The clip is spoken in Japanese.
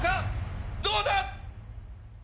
⁉どうだ